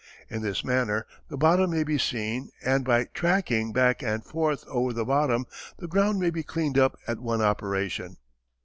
In this manner the bottom may be seen, and by "tracking" back and forth over the bottom the ground may be "cleaned up" at one operation.